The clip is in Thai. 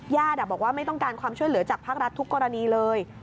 บอกว่าไม่ต้องการความช่วยเหลือจากภาครัฐทุกกรณีเลย